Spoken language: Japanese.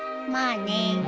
まあね。